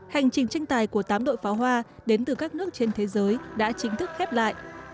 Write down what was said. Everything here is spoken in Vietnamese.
hành trình tranh tài của tám đội pháo hoa đến từ các nước trên thế giới đã chính thức khép lại